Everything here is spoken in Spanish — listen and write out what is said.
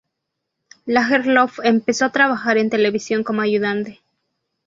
Lagerlöf empezó a trabajar en televisión como ayudante.